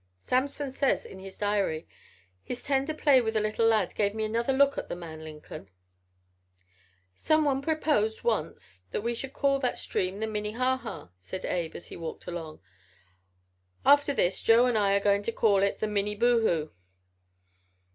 Samson says in his diary: "His tender play with the little lad gave me another look at the man Lincoln." "Some one proposed once that we should call that stream the Minnehaha," said Abe as he walked along. "After this Joe and I are going to call it the Minneboohoo."